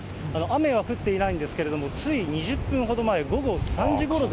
雨は降っていないんですけれども、つい２０分ほど前、午後３時ごろ